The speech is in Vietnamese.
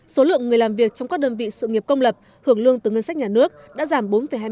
số lượng người làm việc trong các đơn vị sự nghiệp công lập hưởng lương từ ngân sách nhà nước đã giảm bốn hai mươi sáu